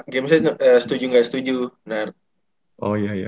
game setuju gak setuju